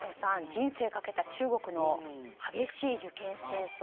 人生かけた中国の激しい受験戦争。